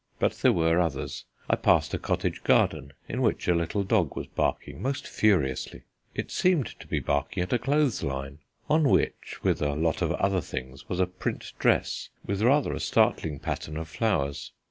But there were others. I passed a cottage garden in which a little dog was barking most furiously. It seemed to be barking at a clothes line, on which, with a lot of other things, was a print dress with rather a staring pattern of flowers.